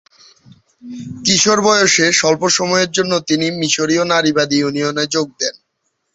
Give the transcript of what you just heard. কিশোর বয়সে স্বল্প সময়ের জন্য তিনি মিশরীয় নারীবাদী ইউনিয়নে যোগ দেন।